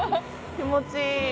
気持ちいい。